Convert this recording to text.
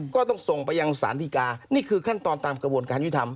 ก็ต้องส่งไปยังสารดีกานี่คือขั้นตอนตามกระบวนการยุทธรรม